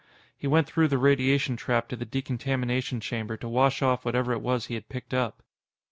He went through the radiation trap to the decontamination chamber to wash off whatever it was he had picked up.